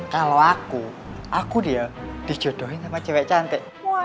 kalau aku aku dia dijodohin sama cewek cantik